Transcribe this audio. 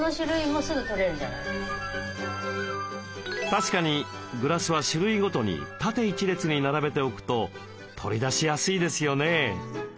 確かにグラスは種類ごとに縦一列に並べておくと取り出しやすいですよね。